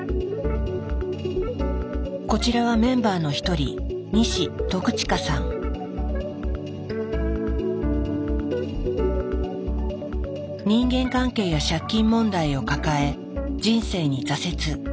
こちらはメンバーの一人人間関係や借金問題を抱え人生に挫折。